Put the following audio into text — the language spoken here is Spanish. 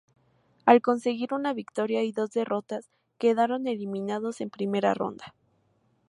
Al conseguir una victoria y dos derrotas, quedaron eliminados en primera ronda.